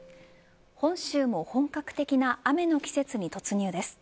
本州も本格的な雨の季節に突入です。